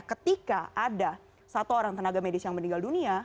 ketika ada satu orang tenaga medis yang meninggal dunia